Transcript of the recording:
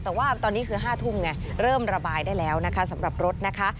แต่ว่าตอนนี้คือ๕ทุ่มไงเริ่มระบายได้แล้วนะคะสำหรับรถนะคะ